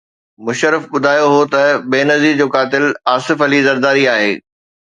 مشرف ٻڌايو هو ته بينظير جو قاتل آصف علي زرداري آهي.